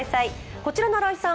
こちらの新井さん